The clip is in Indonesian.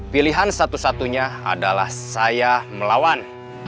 pilihan satu satunya adalah saya melawan